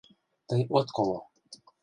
Тый от коло.